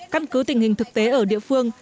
căn cứ tình hình thực tế ở địa phương